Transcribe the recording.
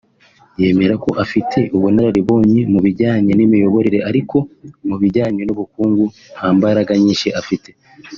yemera ko afite ubunararibonye mu bijyanye n’imiyoborere ariko mu bijyanye n’ubukungu nta mbaraga nyinshi afite